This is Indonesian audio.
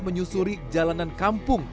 menyusuri jalanan kampung